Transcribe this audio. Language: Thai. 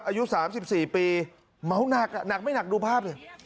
อายุ๓๔ปีเมาหนักหนักไม่หนักดูภาพดิ